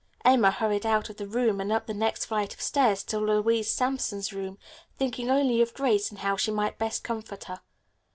Emma hurried out of the room and up the next flight of stairs to Louise Sampson's room, thinking only of Grace and how she might best comfort her.